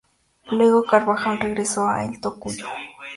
Luego, Carvajal regresó a El Tocuyo.